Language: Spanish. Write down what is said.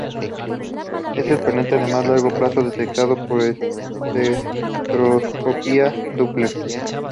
Es el planeta de más largo plazo detectado por espectroscopia Doppler.